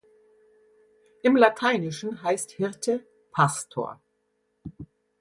Im Lateinischen heißt Hirte „Pastor“.